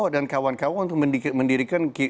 dan kawan kawan untuk mendirikan